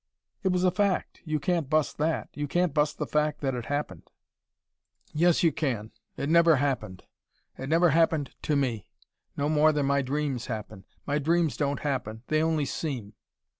"It was a fact you can't bust that. You can't bust the fact that it happened." "Yes you can. It never happened. It never happened to me. No more than my dreams happen. My dreams don't happen: they only seem."